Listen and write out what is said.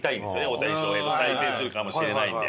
大谷翔平と対戦するかもしれないので。